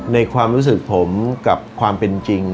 ในความรู้สึกผมกับความเป็นจริง